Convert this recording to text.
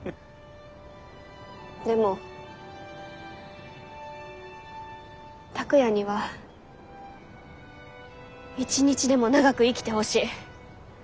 でも拓哉には一日でも長く生きてほしい。